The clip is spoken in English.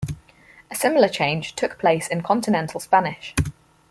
A similar change took place in continental Spanish.